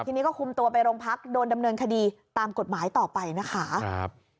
ทีนี้ก็คุมตัวไปโรงพักโดนดำเนินคดีตามกฎหมายต่อไปนะคะครับ